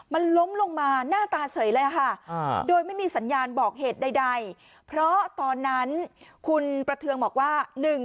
มันล้มลงมาหน้าตาเฉยเลยค่ะโดยไม่มีสัญญาณบอกเหตุใดเพราะตอนนั้นคุณประเทืองบอกว่า